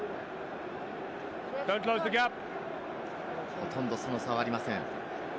ほとんどその差はありません。